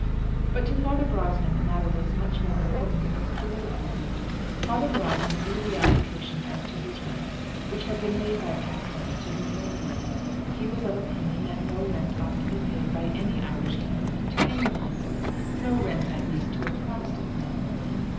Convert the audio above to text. But to Father Brosnan the matter was much more important in its political view. Father Brosnan knew the application as to his rent which had been made by Pat Carroll to his landlord. He was of opinion that no rent ought to be paid by any Irish tenant to any landlord no rent, at least, to a Protestant landlord.